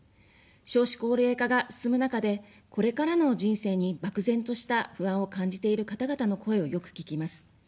少子高齢化が進む中で、これからの人生に漠然とした不安を感じている方々の声をよく聞きます。